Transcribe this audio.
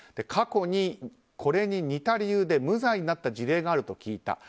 過去に、これに似た理由で無罪になった事例があると聞いた。